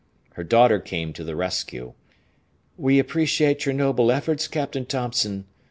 Her daughter came to the rescue. "We appreciate your noble efforts, Captain Thompson.